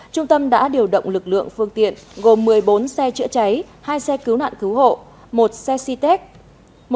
trung tâm đã điều động lực lượng phương tiện gồm một mươi bốn xe chữa cháy hai xe cứu nạn cứu hộ một xe c tech